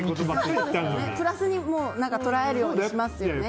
プラスに捉えるようにしますね。